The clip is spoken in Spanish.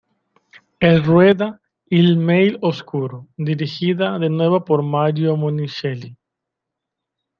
En rueda "Il male oscuro" dirigida, de nuevo, por Mario Monicelli.